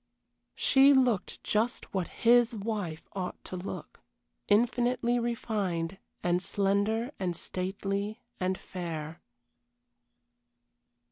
She looked just what his wife ought to look, infinitely refined and slender and stately and fair.